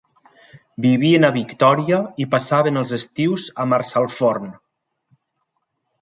Vivien a Victoria i passaven els estius a Marsalforn.